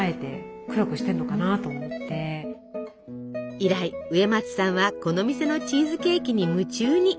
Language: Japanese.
以来植松さんはこの店のチーズケーキに夢中に。